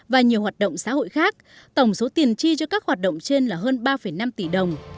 và nhiều hoạt động xã hội khác tổng số tiền chi cho các hoạt động trên là hơn ba năm tỷ đồng